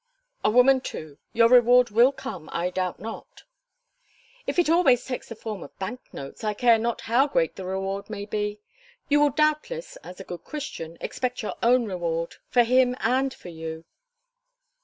"A woman too. Your reward will come, I doubt not." "If it always takes the form of bank notes I care not how great the reward may be. You will doubtless, as a good Christian, expect your own reward for him and for you?"